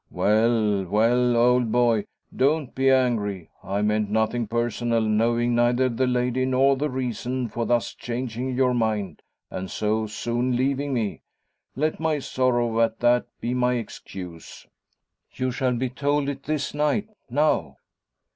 "Well well, old boy! Don't be angry. I meant nothing personal, knowing neither the lady, nor the reason for thus changing your mind, and so soon leaving me. Let my sorrow at that be my excuse." "You shall be told it, this night now!"